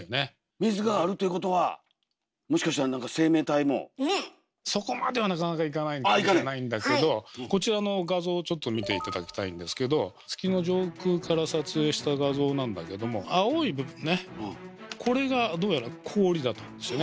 水があるということはそこまではなかなかいかないかもしれないんだけどこちらの画像をちょっと見て頂きたいんですけど月の上空から撮影した画像なんだけども青い部分ねこれがどうやら氷だとするね。